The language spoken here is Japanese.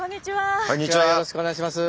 よろしくお願いします。